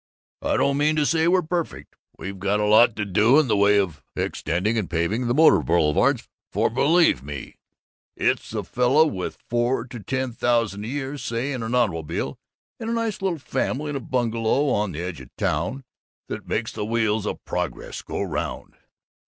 "'I don't mean to say we're perfect. We've got a lot to do in the way of extending the paving of motor boulevards, for, believe me, it's the fellow with four to ten thousand a year, say, and an automobile and a nice little family in a bungalow on the edge of town, that makes the wheels of progress go round!